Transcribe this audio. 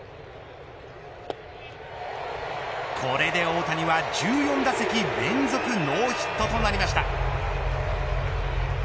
これで大谷は１４打席連続ノーヒットとなりました。